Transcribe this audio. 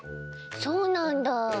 そうなんだ。